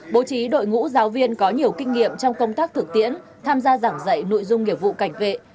bố trí đội ngũ giáo viên có nhiều kinh nghiệm trong công tác thực tiễn tham gia giảng dạy nội dung nghiệp vụ cảnh vệ